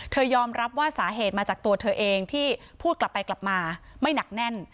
ยอมรับว่าสาเหตุมาจากตัวเธอเองที่พูดกลับไปกลับมาไม่หนักแน่น